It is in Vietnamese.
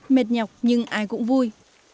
mệt nhọc nhưng ai cũng vui